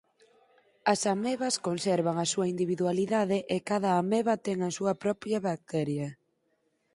As amebas conservan a súa individualidade e cada ameba ten a súa propia bacteria.